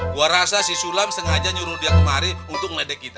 gue rasa si sulam sengaja nyuruh dia kemari untuk medek kita